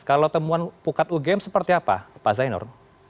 kalau temuan pukat ugm seperti apa pak zainur